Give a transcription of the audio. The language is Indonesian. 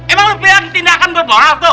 emang lu bilang tindakan bermoral tuh